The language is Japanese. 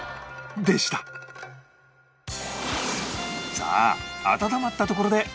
さあ温まったところでお三方